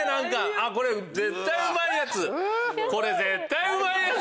あっこれ絶対うまいやつ！